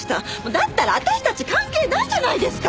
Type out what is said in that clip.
だったら私たち関係ないじゃないですか！